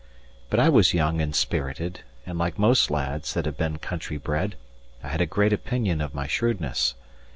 But I was young and spirited, and like most lads that have been country bred, I had a great opinion of my shrewdness.